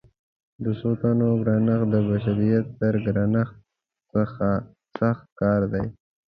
د څو تنو ګرانښت د بشریت تر ګرانښت سخت کار دی.